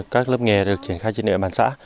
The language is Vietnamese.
các lớp nghề được triển khai trên địa bàn xã